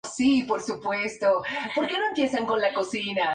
Allí viviría sus últimos meses de vida.